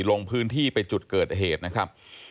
ลงพื้นที่ไปจุดเกิดเหตุนะครับ